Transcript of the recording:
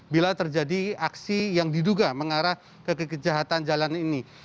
bila terjadi aksi yang diduga mengarah ke kejahatan jalan ini